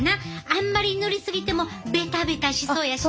あんまり塗り過ぎてもベタベタしそうやしな。